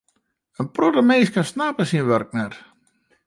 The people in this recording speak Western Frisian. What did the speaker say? In protte minsken snappe syn wurk net.